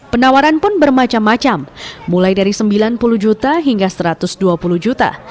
penawaran pun bermacam macam mulai dari sembilan puluh juta hingga satu ratus dua puluh juta